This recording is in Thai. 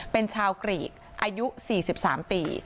เป็นชาวกรีกอายุ๔๓ปี